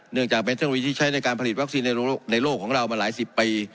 จากเป็นเครื่องบินที่ใช้ในการผลิตวัคซีนในโลกของเรามาหลายสิบปี